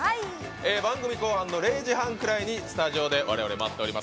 番組後半の０時半ぐらいにスタジオでわれわれ待っております。